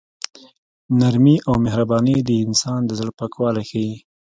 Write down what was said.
نرمي او مهرباني د انسان د زړه پاکوالی ښيي.